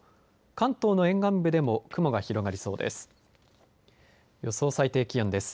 関東の沿岸部でも雲が広がりそうです。